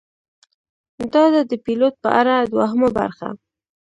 دا ده د پیلوټ په اړه دوهمه برخه: